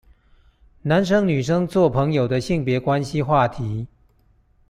男生女生做朋友的性別關係話題